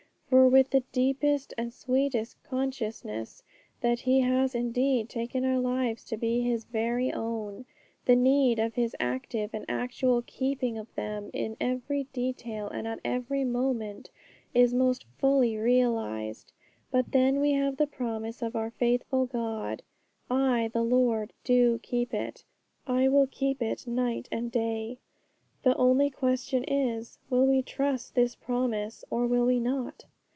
For with the deepest and sweetest consciousness that He has indeed taken our lives to be His very own, the need of His active and actual keeping of them in every detail and at every moment is most fully realized. But then we have the promise of our faithful God, 'I the Lord do keep it, I will keep it night and day.' The only question is, will we trust this promise, or will we not?